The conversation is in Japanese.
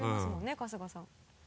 春日さん。